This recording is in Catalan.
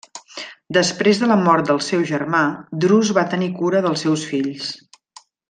Després de la mort del seu germà, Drus va tenir cura dels seus fills.